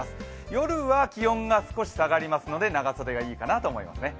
夜は気温が少し下がりますので長袖がいいかなと思いますね。